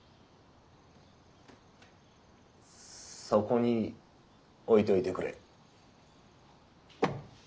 そこに置いといてくれ。